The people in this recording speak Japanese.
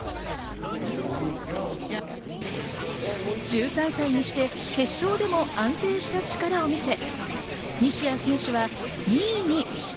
１３歳にして決勝でも安定した力を見せ、西矢選手は２位に。